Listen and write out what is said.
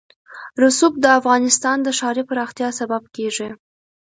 رسوب د افغانستان د ښاري پراختیا سبب کېږي.